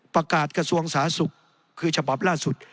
กระทรวงสาธารณสุขคือฉบับล่าสุด